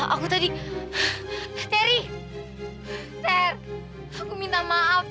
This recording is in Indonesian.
aku nggak mungkin pasti dia udah nuang